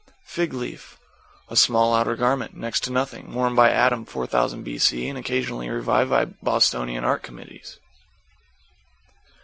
=FIG LEAF= A small outer garment, next to nothing, worn by Adam 4000 B.C. and occasionally revived by Bostonian Art Committees.